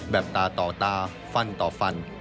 แบบตาต่อตาฟั่นต่อฟั่น